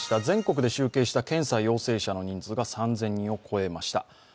全国で集計した検査陽性者の人数が３０００人を超えました。